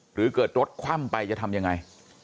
หรือเกิดรถคว่ำไปจะทำยังไง